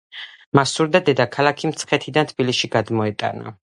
მას სურდა დედაქალაქი მცხეთიდან თბილისში გადმოეტანა.